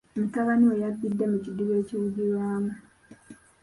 Mutabani we yabbidde mu kidiba ekiwugirwamu.